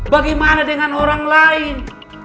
bagaimana dengan orang lain